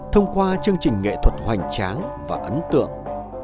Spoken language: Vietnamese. thông qua chương trình nghệ thuật hoành tráng và ấn tượng